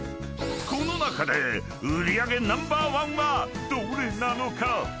［この中で売り上げナンバーワンはどれなのか？］